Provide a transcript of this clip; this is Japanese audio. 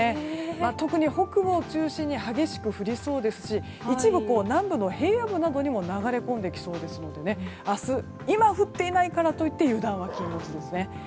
特に北部を中心に激しく降りそうですし一部、南部の平野部にも流れ込んできそうなので降っていないからと言って油断は禁物ですね。